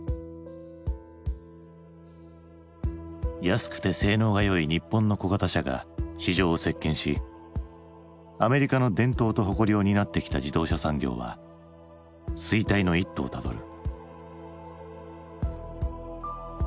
安くて性能が良い日本の小型車が市場を席けんしアメリカの伝統と誇りを担ってきた自動車産業は衰退の一途をたどる。